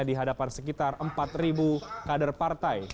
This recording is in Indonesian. di hadapan sekitar empat kader partai